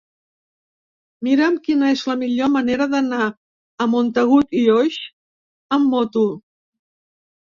Mira'm quina és la millor manera d'anar a Montagut i Oix amb moto.